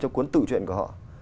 cho cuốn tự chuyện của họ